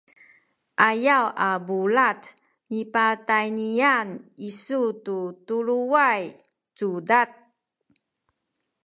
ayaw a bulad nipatayniyan isu tu tuluway cudad